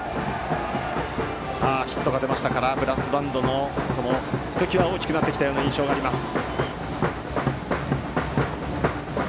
さあ、ヒットが出ましたのでブラスバンドの演奏もひときわ大きくなってきたような印象があります。